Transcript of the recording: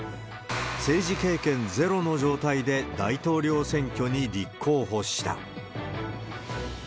政治経験ゼロの状態で大統領選挙に立候補した。